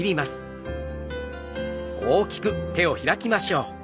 大きく開きましょう。